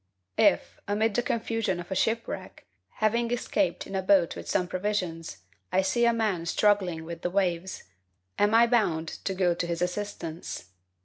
If, amid the confusion of a shipwreck, having escaped in a boat with some provisions, I see a man struggling with the waves, am I bound to go to his assistance?